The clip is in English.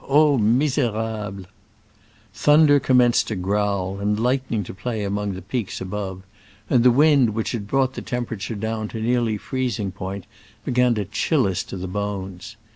Oh miserables !" Thunder commenced to growl and lightning to play among the peaks above, and the wind, which had brought the temperature down to nearly freezing point, began to chill us to the bones.